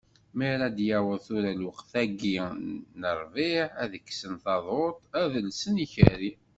Mi ara d-yaweḍ tura lweqt-ayi n rrbiɛ, ad d-kksen taḍuṭ, ad d-llsen ikerri.